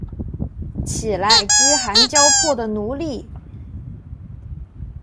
起来，饥寒交迫的奴隶！